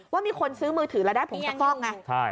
ว่ามีคนซื้อมือถือแล้วได้ผงสักฟอกไง